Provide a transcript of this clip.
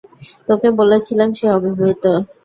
তোকে বলেছিলাম সে অবিবাহিত।